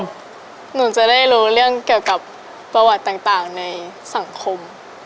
หนูจะได้รู้เรื่องเกี่ยวกับประวัติต่างในสังคม